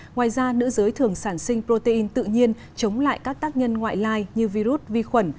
ngoài ra nữ giới thường sản sinh protein tự nhiên chống lại các tác nhân ngoại lai như virus vi khuẩn